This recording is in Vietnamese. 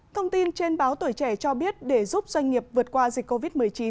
thông tin trên báo tuổi trẻ cho biết để giúp doanh nghiệp vượt qua dịch covid một mươi chín